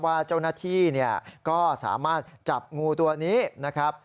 ว่าเจ้าหน้าที่ก็สามารถจับงูตัวนี้นะครับ